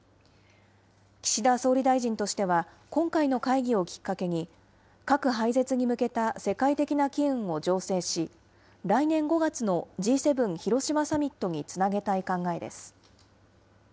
岸田総理大臣としては、今回の会議をきっかけに、核廃絶に向けた世界的な機運を醸成し、来年５月のＧ７広島サミットにつなげたい考えです。